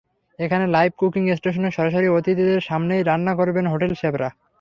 এখানে live cooking স্টেশনে সরাসরি অতিথিদের সামনেই রান্না করবেন হোটেলের শেফরা।